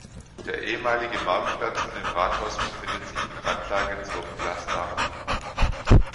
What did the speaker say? Der ehemalige Marktplatz mit dem Rathaus befindet sich in Randlage zur Place d’Armes.